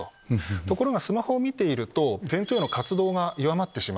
ところがスマホを見ていると前頭葉の活動が弱まってしまう。